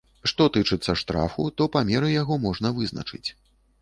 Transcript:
Што тычыцца штрафу, то памеры яго можна вызначыць.